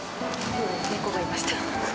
猫がいました。